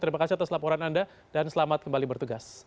terima kasih atas laporan anda dan selamat kembali bertugas